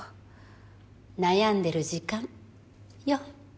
悩んでる時間よ。